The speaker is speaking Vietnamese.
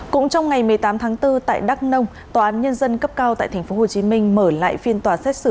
cũng trong ngày một mươi tám tháng bốn tại đắk nông tòa án nhân dân cấp cao tại tp hcm mở lại phiên tòa xét xử